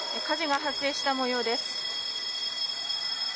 火事が発生したもようです。